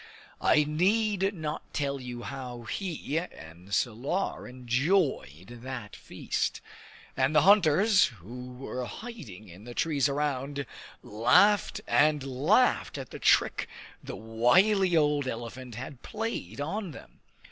I need not tell you how he and Salar enjoyed that feast! And the hunters, who were hiding in the trees around, laughed and laughed at the trick the wily old elephant had played on them!